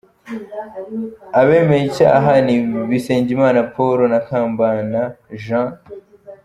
Abemeye icyaha ni Bisengimana Paul na Kambana Jean.